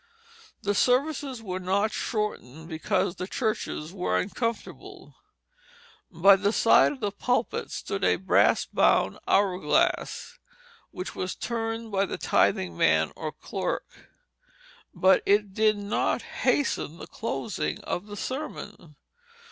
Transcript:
The services were not shortened because the churches were uncomfortable. By the side of the pulpit stood a brass bound hour glass which was turned by the tithing man or clerk, but it did not hasten the closing of the sermon.